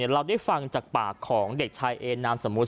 เราได้ฟังจากปากของเด็กชายเอนามสมมุติ